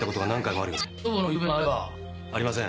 ありません。